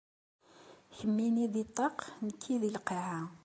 Kemmini di ṭṭaq, nekki di lqaɛa.